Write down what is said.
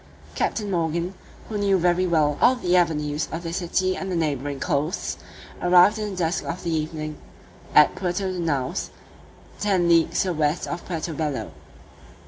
Captain Morgan, who knew very well all the avenues of this city and the neighbouring coasts, arrived in the dusk of the evening at Puerto de Naos, ten leagues to the west of Puerto Bello.